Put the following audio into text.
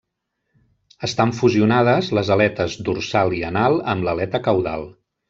Estan fusionades les aletes dorsal i anal amb l'aleta caudal.